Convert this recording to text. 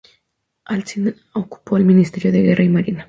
Alsina ocupó el Ministerio de Guerra y Marina.